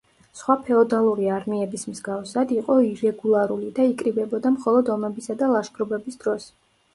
სხვა ფეოდალური არმიების მსგავსად, იყო ირეგულარული და იკრიბებოდა მხოლოდ ომებისა და ლაშქრობების დროს.